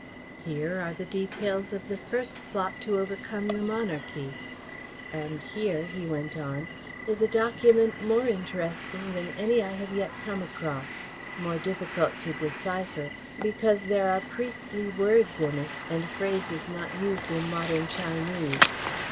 Here are the details of the first plot to overcome the monarchy, and here," he went on, "is a document more interesting than any I have yet come across more difficult to decipher, because there are priestly words in it and phrases not used in modern Chinese.